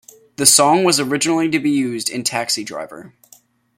The song was originally to be used in "Taxi Driver".